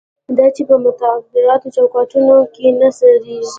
دا چې په متعارفو چوکاټونو کې نه ځایېږي.